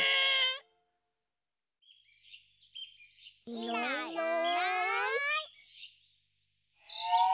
いないいない。